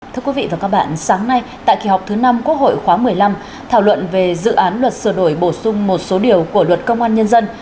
thưa quý vị và các bạn sáng nay tại kỳ họp thứ năm quốc hội khóa một mươi năm thảo luận về dự án luật sửa đổi bổ sung một số điều của luật công an nhân dân